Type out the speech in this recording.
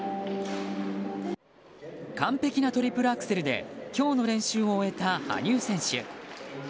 完璧なトリプルアクセルで今日の練習を終えた羽生選手。